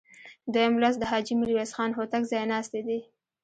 دویم لوست د حاجي میرویس خان هوتک ځایناستي دي.